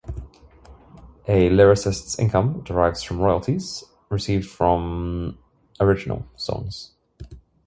A lyricist's income derives from royalties received from original songs.